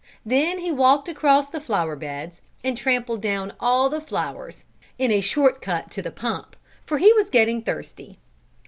Then he walked across the flower beds, and trampled down all the flowers, in a short cut to the pump, for he was getting thirsty.